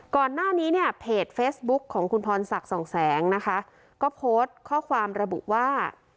ก่อนหน้านี้เนี่ยเพจเฟซบุ๊คของคุณพรศักดิ์สองแสงนะคะก็โพสต์ข้อความระบุว่า